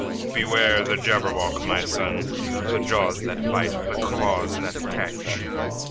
"Beware the Jabberwock, my son! The jaws that bite, the claws that catch!